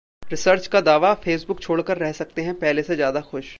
research का दावा, Facebook छोड़कर रह सकते हैं पहले से ज्यादा खुश